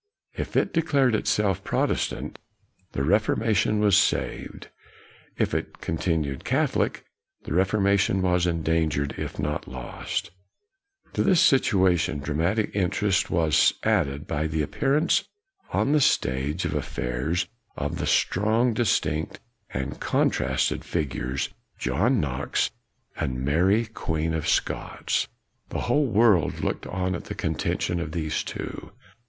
If it declared itself Protestant, the Reforma tion was saved; if it continued Catholic, the Reformation was endangered, if not lost To this situation dramatic interest was added by the appearance on the stage of affairs of the strong, distinct, and con trasted figures, John Knox and Mary KNOX 133 Queen of Scots. The whole world looked on at the contention of these two.